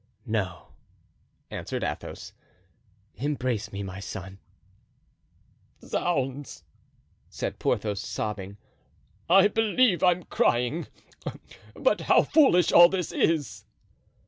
"No," answered Athos; "embrace me, my son." "Zounds!" said Porthos, sobbing, "I believe I'm crying; but how foolish all this is!"